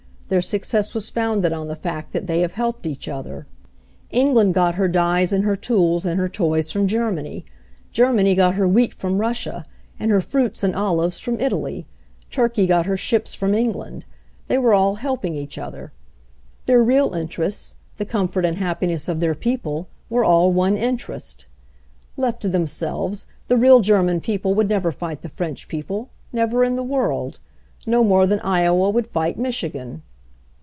Their success was founded on the fact that they have helped each other. England got 176 HENRY FORD'S OWN STORY her dyes and her tools and her toys from Ger many ; Germany got her wheat from Russia, and her fruits and olives from Italy ; Turkey got her ships from England. They were all helping each other. Their real interests — the comfort and happiness of their people — were all one interest. "Left to themselves, the real German people would never fight the French people, never in the world. No more than Iowa would fight Michi gan.